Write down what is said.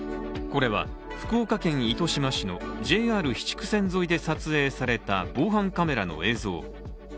これは福岡県糸島市のＪＲ筑肥線沿いで撮影された防犯カメラの映像。